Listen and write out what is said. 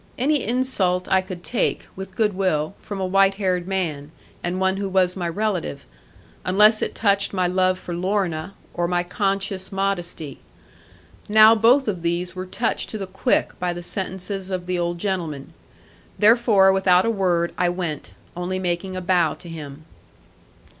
Any insult I could take (with goodwill) from a white haired man, and one who was my relative; unless it touched my love for Lorna, or my conscious modesty. Now both of these were touched to the quick by the sentences of the old gentleman. Therefore, without a word, I went; only making a bow to him.